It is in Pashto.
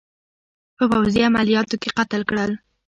په پوځي عملیاتو کې قتل کړل.